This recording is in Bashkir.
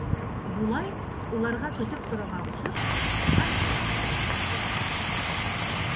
Юлай, уларға көтөп торорға ҡушып, контораға инеп китте.